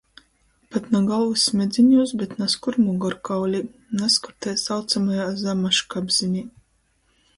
Pat na golvys smedziņūs, bet nazkur mugorkaulī, nazkur tai saucamajā zamaškapzinī.